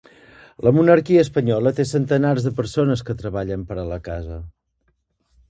La monarquia espanyola té centenars de persones que treballen per a la casa